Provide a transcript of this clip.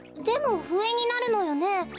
でもふえになるのよね。